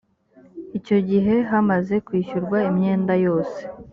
icyo gihe hamaze kwishyurwa imyenda yose